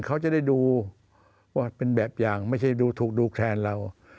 เขาจะได้ดูว่าเป็นแบบอย่างไม่ใช่ดูถูกดูแคลนเรา